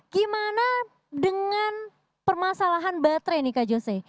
gimana dengan permasalahan baterai nih kak jose